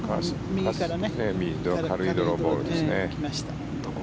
右から軽いドローボールですね。